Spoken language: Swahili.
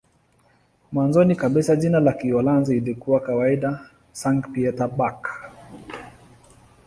Mwanzoni kabisa jina la Kiholanzi lilikuwa kawaida "Sankt-Pieterburch".